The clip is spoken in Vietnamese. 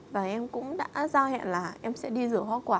và em cũng đã ra hẹn là em sẽ đi rửa hoa quả